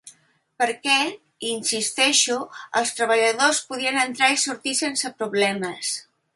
Perquè, hi insisteixo, els treballadors podien entrar i sortir sense problemes.